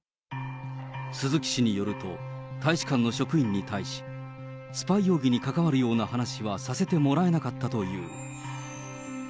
鈴木氏によると、大使館の職員に対し、スパイ容疑に関わるような話はさせてもらえなかったという。